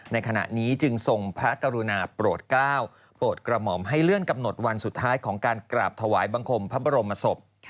ในขณะนี้จึงทรงพระกรุณาโปรดก้าวโปรดกระหม่อมให้เลื่อนกำหนดวันสุดท้ายของการกราบถวายบังคมพระบรมศพ